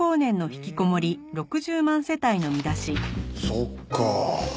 そっか。